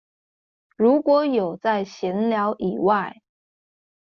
如果有在閒聊以外